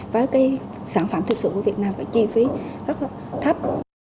và cái sản phẩm thực sự của việt nam phải chi phí rất là thấp